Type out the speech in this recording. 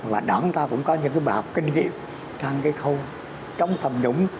và đoàn ta cũng có những bài học kinh nghiệm trong cái khâu chống tầm nhũng